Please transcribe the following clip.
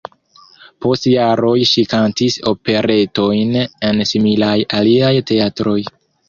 Post jaroj ŝi kantis operetojn en similaj aliaj teatroj.